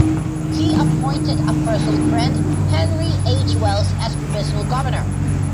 He appointed a personal friend, Henry H. Wells as provisional governor.